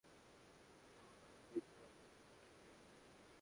বারবার এঁদের স্মৃতিতে দুর্ঘটনা, সহকর্মীর মৃত্যু, রক্ত, মৃত লাশ ভেসে ওঠে।